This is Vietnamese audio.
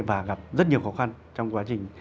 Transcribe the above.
và gặp rất nhiều khó khăn trong quá trình